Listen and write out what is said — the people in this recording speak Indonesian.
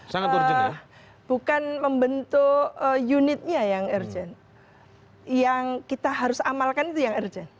karena bukan membentuk unitnya yang urgent yang kita harus amalkan itu yang urgent